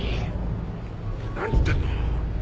何言ってんの！？